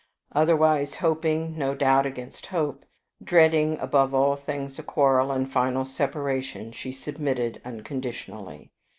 Otherwise hoping, no doubt against hope, dreading above all things a quarrel and final separation, she submitted unconditionally.